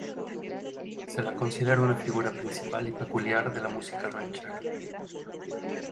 Se la considera una figura principal y peculiar de la música ranchera.